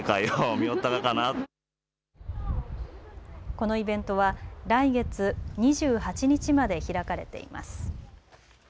このイベントは来月２８日まで開かれています。